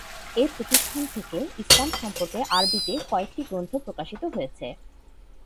এ প্রতিষ্ঠান থেকে ইসলাম সম্পর্কে আরবিতে কয়েকটি গ্রন্থ প্রকাশিত হয়েছে।